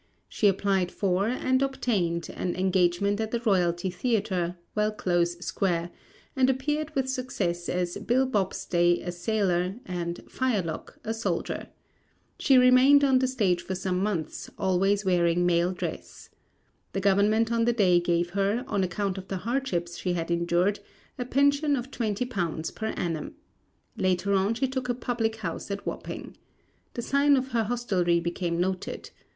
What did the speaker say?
She applied for and obtained an engagement at the Royalty theatre, Wellclose square; and appeared with success as Bill Bobstay a sailor and Firelock a soldier. She remained on the stage for some months, always wearing male dress. The government of the day gave her, on account of the hardships she had endured, a pension of £20 per annum. Later on she took a public house at Wapping. The sign of her hostelry became noted.